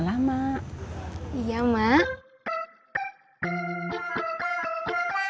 wah aubrey ada yang lagi